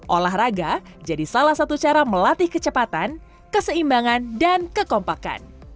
olahraga jadi salah satu cara melatih kecepatan keseimbangan dan kekompakan